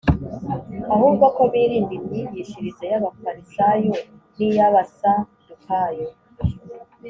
ahubwo ko birinda imyigishirize y’Abafarisayo n’iy’Abasadukayo.